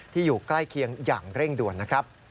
อยู่ใกล้เคียงอย่างเร่งด่วนนะครับ